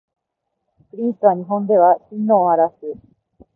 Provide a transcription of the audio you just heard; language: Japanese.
プリンスとは日本では親王を表す